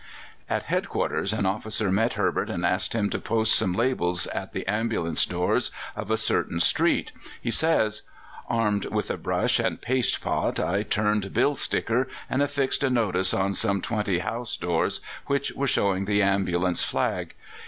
At head quarters an officer met Herbert, and asked him to post some labels at the ambulance doors of a certain street. He says: "Armed with a brush and paste pot, I turned bill sticker, and affixed a notice on some twenty house doors which were showing the ambulance flag.